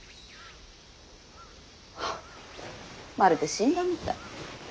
はっまるで死んだみたい。